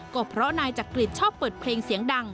ก็เพราะนายจักริตชอบเปิดเพลงเสียงดัง